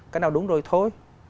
cái nào đúng rồi thôi